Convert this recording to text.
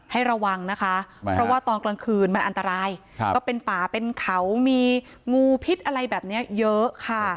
ระวังนะคะเพราะว่าตอนกลางคืนมันอันตรายก็เป็นป่าเป็นเขามีงูพิษอะไรแบบนี้เยอะค่ะ